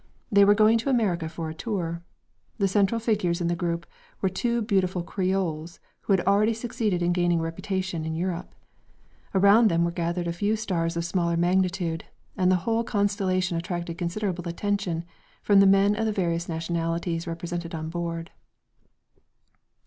They were going to America for a tour. The central figures in the group were two beautiful Creoles who had already succeeded in gaining a reputation in Europe. Around them were grouped a few stars of smaller magnitude, and the whole constellation attracted considerable attention from the men of the various nationalities represented on board.